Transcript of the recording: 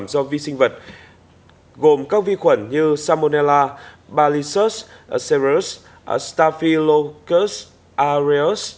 vụ ngộ độc thực phẩm do vi sinh vật gồm các vi khuẩn như salmonella balisus cereus staphylococcus aureus